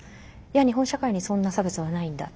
「いや日本社会にそんな差別はないんだ。